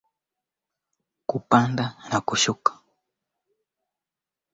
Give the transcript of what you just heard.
basi nayeye atafuata misingi hiyo hiyo atakwenda nayo mpaka anafika